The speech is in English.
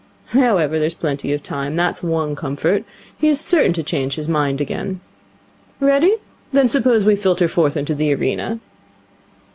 However, there's plenty of time. That's one comfort. He's certain to change his mind again. Ready? Then suppose we filter forth into the arena?'